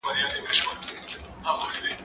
زه هره ورځ مېوې راټولوم!؟